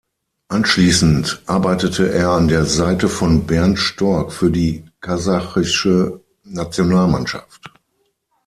Anschließend arbeitete er an der Seite von Bernd Storck für die kasachische Nationalmannschaft.